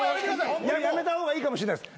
やめた方がいいかもしんないです。